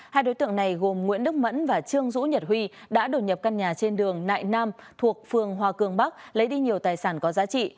hai đối tượng này gồm nguyễn đức mẫn và trương dũ nhật huy đã đổ nhập căn nhà trên đường nại nam thuộc phường hòa cường bắc lấy đi nhiều tài sản có giá trị